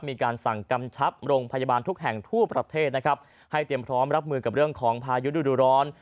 มีการสั่งกำชับโรงพยาบาลทุกแห่งทั่วประเทศนะครับให้เตรียมพร้อมรับมือกับเรื่องของพายุดูร้อน